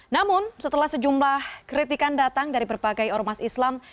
namun setelah sejumlah kritikan datang dari berbagai ormas islam